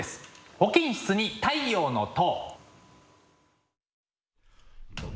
「保健室に太陽の塔」。